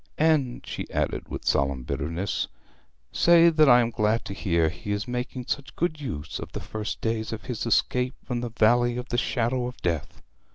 'And,' she added, with solemn bitterness, 'say that I am glad to hear he is making such good use of the first days of his escape from the Valley of the Shadow of Death!'